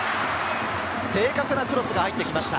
正確なクロスが入ってきました。